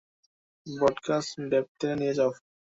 Broadcast ডেপথে নিয়ে যাও।